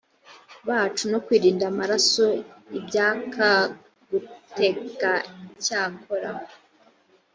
bacu no kwirinda amaraso ibyak guteg icyakora